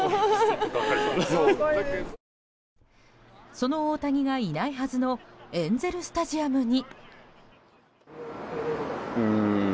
その大谷がいないはずのエンゼル・スタジアムに。